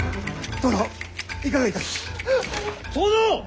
殿！